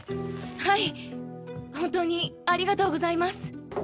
はい本当にありがとうございます。